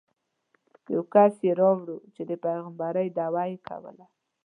یو کس یې راوړ چې د پېغمبرۍ دعوه یې کوله.